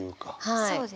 はい。